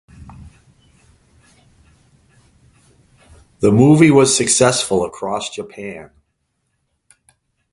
The movie was successful across Japan.